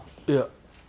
いや。